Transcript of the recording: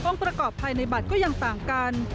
ประกอบภายในบัตรก็ยังต่างกัน